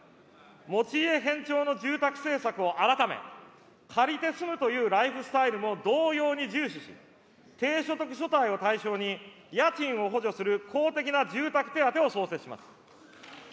持ち家偏重の住宅政策を改め、借りて住むというライフスタイルも同様に重視し、低所得世帯を対象に家賃を補助する公的な住宅手当を創設します。